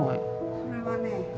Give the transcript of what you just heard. それはね